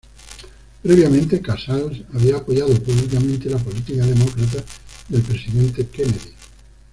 Previamente, Casals había apoyado públicamente la política demócrata del presidente Kennedy.